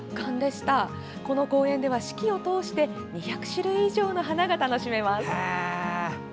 この公園では四季を通して２００種類以上の花が楽しめます。